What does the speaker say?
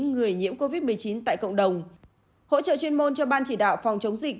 người nhiễm covid một mươi chín tại cộng đồng hỗ trợ chuyên môn cho ban chỉ đạo phòng chống dịch